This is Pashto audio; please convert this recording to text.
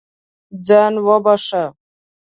ځان وبښه.